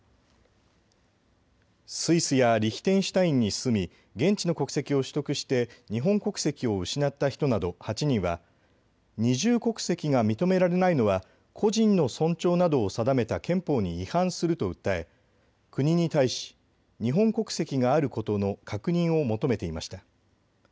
スイスやリヒテンシュタインに住み、現地の国籍を取得して日本国籍を失った人など８人は二重国籍が認められないのは個人の尊重などを定めた憲法に違反すると訴え国に対し、日本国籍があることの確認を求めていました。